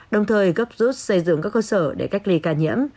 đồng thời gấp rút xây dựng các cơ sở để cách ly ca nhiễm